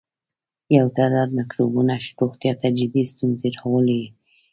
یو تعداد مکروبونه روغتیا ته جدي ستونزې راولاړولای شي.